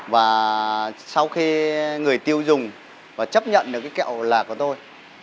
và sau khi người tiêu dùng và chấp nhận được cái kẹo lạc của tôi